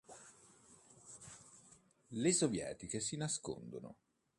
Le sovietiche si nascondono.